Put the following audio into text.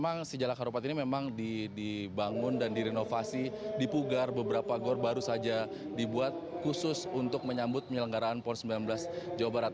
memang sejala karopat ini memang dibangun dan direnovasi dipugar beberapa gor baru saja dibuat khusus untuk menyambut penyelenggaraan pon sembilan belas jawa barat